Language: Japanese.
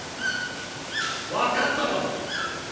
わかったかも！